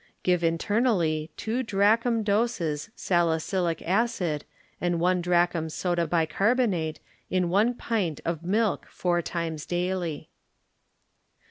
Give internally two drachm doses salicylic acid and one drachm soda bicarbonate in one pint of milk four times daily.